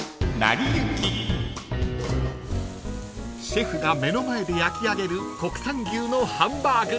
［シェフが目の前で焼き上げる国産牛のハンバーグ］